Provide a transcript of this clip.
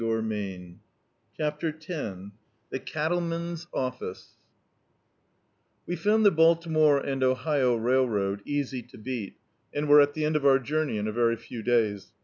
db, Google CHAPTER X thb cattleman's office W) found the Baltimore and Ohio Rail road easy to beat, and were at the end of our journey in a very few days.